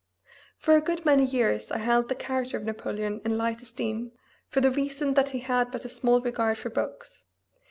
For a good many years I held the character of Napoleon in light esteem, for the reason that he had but small regard for books.